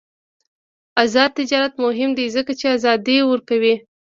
آزاد تجارت مهم دی ځکه چې ازادي ورکوي.